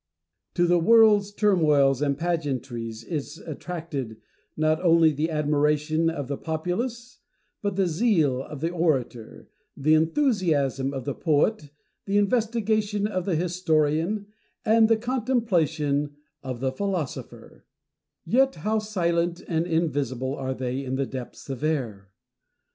To the world's turmoils and pageantries is attracted, not only the admiration of the populace, but the zeal of the orator, the enthusiasm of the poet, the investigation of the historian, and the contemplation of the philosopher : yet how silent and invisible are they in the depths of air